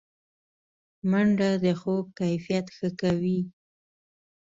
منډه د خوب کیفیت ښه کوي